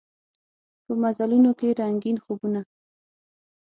په مزلونوکې رنګین خوبونه